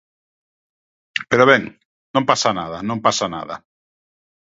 Pero ben, non pasa nada, non pasa nada.